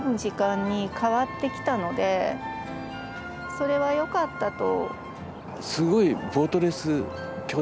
それはよかったと。